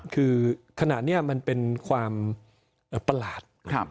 คือขณะนี้มันเป็นความประหลาด